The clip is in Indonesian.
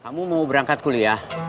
kamu mau berangkat kuliah